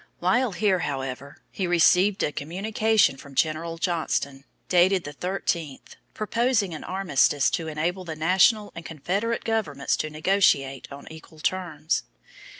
While here, however, he received a communication from General Johnston, dated the thirteenth, proposing an armistice to enable the National and Confederate governments to negotiate on equal terms.